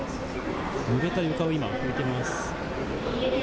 ぬれた床を今、拭いてます。